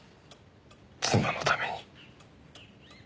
妻のために。